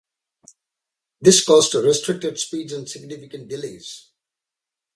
This caused restricted speeds and significant delays.